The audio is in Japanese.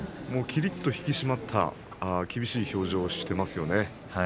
きりっと引き締まった厳しい表情をしていますよね。